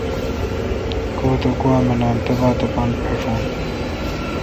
کو تہ گوا منان تہ تبتھہ اپان پھݭون۔